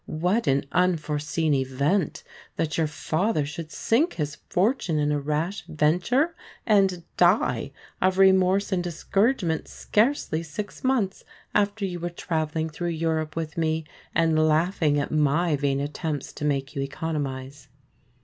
What an unforeseen event that your father should sink his fortune in a rash venture and die of remorse and discouragement scarcely six months after you were travelling through Europe with me, and laughing at my vain attempts to make you economize.